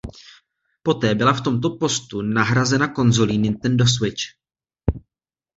Poté byla v tomto postu nahrazena konzolí Nintendo Switch.